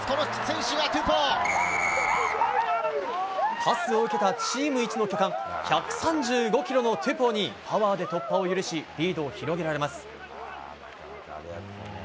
パスを受けたチーム一の巨漢１３５ｋｇのトゥポウにパワーで突破を許しリードを広げられます。